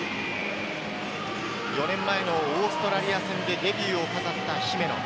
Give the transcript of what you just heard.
４年前のオーストラリア戦でデビューを飾った姫野。